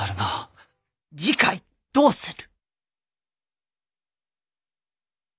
次回どうする。